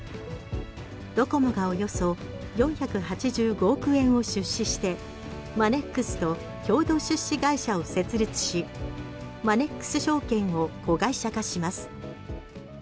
ドコモがおよそ４８５億円を出資してマネックスと共同出資会社を設立しマネックス証券を子会社化します。